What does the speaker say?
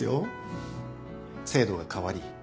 制度が変わり